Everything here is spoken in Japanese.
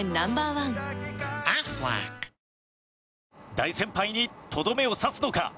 大先輩にとどめを刺すのか？